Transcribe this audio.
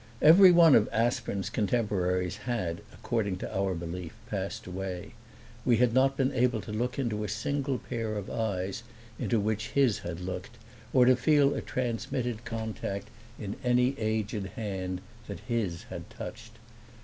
Every one of Aspern's contemporaries had, according to our belief, passed away; we had not been able to look into a single pair of eyes into which his had looked or to feel a transmitted contact in any aged hand that his had touched.